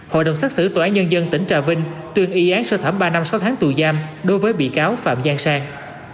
hội đồng xác xử tòa án nhân dân tỉnh trà vinh tuyên y án sơ thẩm ba năm sáu tháng tù giam đối với bị cáo phạm giang sang